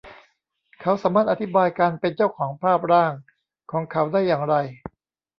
เขาสามารถอธิบายการเป็นเจ้าของภาพร่างของเขาได้อย่างไร